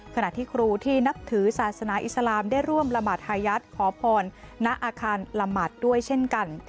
ขณะที่ครูที่นับถือศาสนาอิสลามได้ร่วมละหมาดฮายัดขอพรณอาคารละหมาดด้วยเช่นกัน